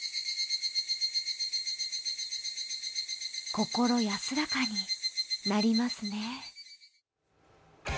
心安らかになりますね。